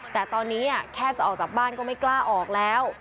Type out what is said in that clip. แต่ตอนนี้แค่จะออกจากบ้านก็ไม่กล้าออกแล้ว